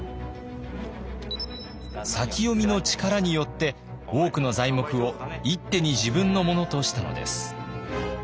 先読みの力によって多くの材木を一手に自分のものとしたのです。